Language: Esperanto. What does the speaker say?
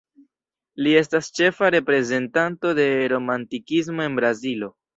Li estas ĉefa reprezentanto de romantikismo en Brazilo.